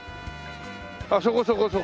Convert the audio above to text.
あっそこそこそこ！